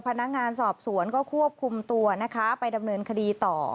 พนักงานสอบสวนก็ควบคุมตัวนะคะไปดำเนินคดีต่อ